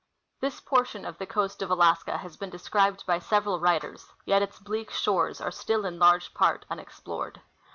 This portion of the coast of Alaska has been described by several writers ; yet its bleak shores are still in large part unex plored.